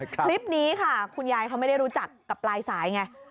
คลิปนี้ค่ะคุณยายเขาไม่ได้รู้จักกับปลายสายไง